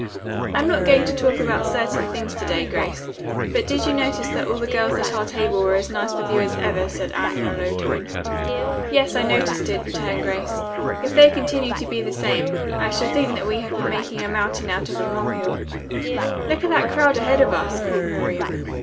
"I'm not going to talk about certain things to day, Grace, but did you notice that all the girls at our table were as nice with you as ever?" said Anne in a low tone. "Yes; I noticed it," returned Grace. "If they continue to be the same, I shall think that we have been making a mountain of a molehill." "Look at that crowd ahead of us," called Miriam.